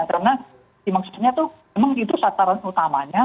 karena maksudnya itu memang sataran utamanya